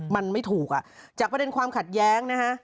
มันไม่ถูกอ่ะจากประเด็นความขัดแย้งนะฮะ